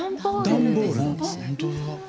段ボールなんですね。